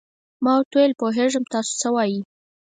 ما ورته وویل: پوهېږم چې تاسو څه وایئ.